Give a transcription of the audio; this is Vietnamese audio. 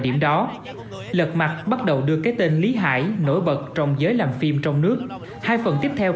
điểm đó lật mặt bắt đầu đưa cái tên lý hải nổi bật trong giới làm phim trong nước hai phần tiếp theo